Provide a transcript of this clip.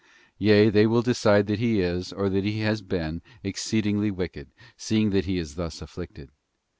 Yea, they will decide that he is, or that he has been, exceed ingly wicked, seeing that he is thus afflicted.